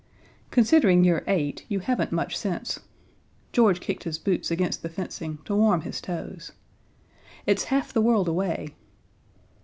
"Considering you're eight, you haven't much sense." George kicked his boots against the fencing to warm his toes. "It's half the world away."